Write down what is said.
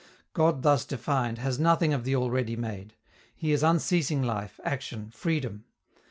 God thus defined, has nothing of the already made; He is unceasing life, action, freedom.